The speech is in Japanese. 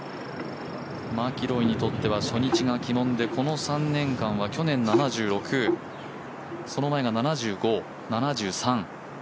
マキロイにとっては初日が鬼門でここ３年間で去年が７６その前は７５、７３。